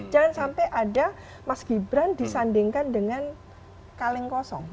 jangan sampai ada mas gibran disandingkan dengan kaleng kosong